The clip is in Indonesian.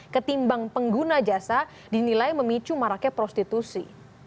ketimbang pengguna jasa dinilai memicu maraknya prostitusi